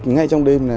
ngay trong đêm